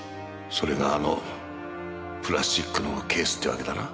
それがあのプラスチックのケースってわけだな？